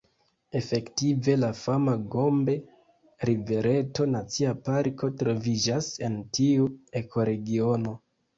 Efektive, la fama Gombe-rivereto Nacia Parko troviĝas en tiu ekoregiono.